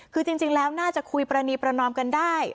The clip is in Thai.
คือจริงแล้วน่าจะคุยปรณีประนอมกันได้